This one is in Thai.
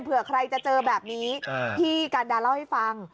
เผื่อใครจะเจอแบบนี้พี่กันดาเล่าให้ฟัง